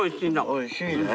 おいしいね。